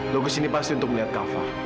lo kesini pasti untuk melihat kava